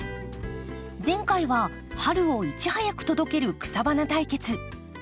前回は春をいち早く届ける草花対決。